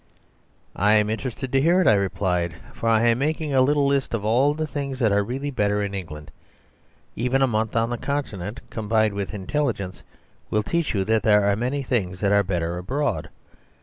"I am interested to hear it," I replied, "for I am making a little list of all the things that are really better in England. Even a month on the Continent, combined with intelligence, will teach you that there are many things that are better abroad.